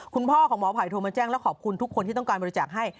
คุณพ่อของหมอไผ่โทรมาแจ้งแล้วขอบคุณทุกคนที่ต้องการบริจาคให้